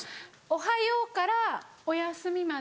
「おはよう」から「おやすみ」まで。